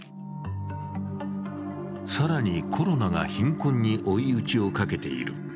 更に、コロナが貧困に追い打ちをかけている。